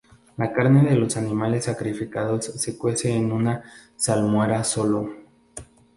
La carne de los animales sacrificados se cuece en una salmuera sólo.